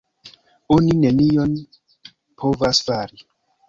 Oni nenion povas fari.